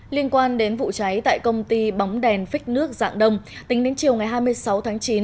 liên quan đến vụ cháy tại công ty bóng đèn phích nước dạng đông tính đến chiều ngày hai mươi sáu tháng chín